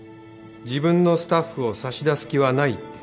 自分のスタッフを差し出す気はないって。